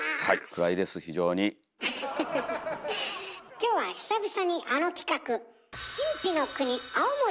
今日は久々にあの企画。